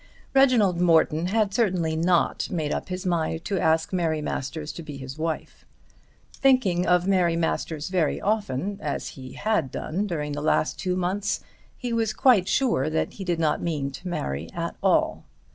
Reginald Morton had certainly not made up his mind to ask Mary Masters to be his wife. Thinking of Mary Masters very often as he had done during the last two months, he was quite sure that he did not mean to marry at all.